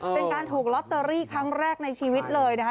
เป็นการถูกลอตเตอรี่ครั้งแรกในชีวิตเลยนะคะ